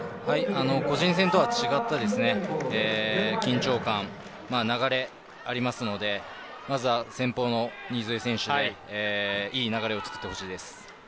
個人戦とは違った緊張感や流れがあるので先鋒の新添選手にいい流れを作ってほしいです。